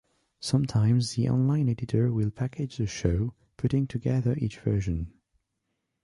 Sometimes the online editor will package the show, putting together each version.